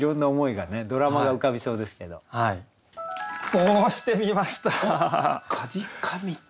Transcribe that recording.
こうしてみました！